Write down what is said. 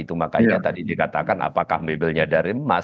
itu makanya tadi dikatakan apakah mebelnya dari emas